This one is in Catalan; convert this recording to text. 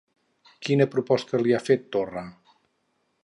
Quina proposta li ha fet Torra?